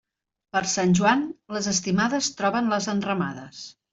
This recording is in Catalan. Per Sant Joan, les estimades troben les enramades.